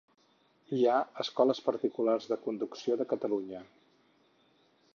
Hi ha escoles particulars de conducció de Catalunya.